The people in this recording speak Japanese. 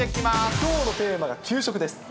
きょうのテーマが給食です。